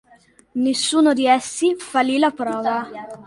Nessuno di essi fallì la prova.